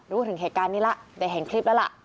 รู้ถึงเหตุการณ์นี้แล้วได้เห็นคลิปแล้วล่ะ